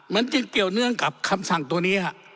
มันจึงเกี่ยวเนื่องกับคำสั่งตัวนี้